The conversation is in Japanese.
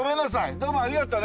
どうもありがとうね。